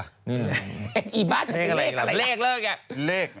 ไอ้บ้าจะเรียกอะไรก่อนเล็กเลิกละเล็ก